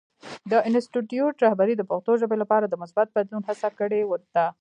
د انسټیټوت رهبرۍ د پښتو ژبې لپاره د مثبت بدلون هڅه کړې ده.